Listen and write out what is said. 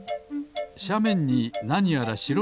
しゃめんになにやらしろいぼう